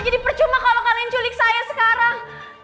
jadi percuma kalo kalian culik saya sekarang